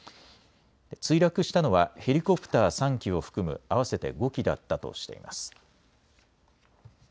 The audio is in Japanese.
墜落したのはヘリコプター３機を含む合わせて５機だったとしています。